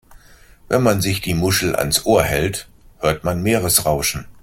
Wenn man sich die Muschel ans Ohr hält, hört man Meeresrauschen.